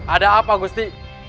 ada apa gusti